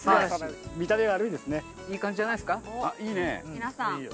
皆さん。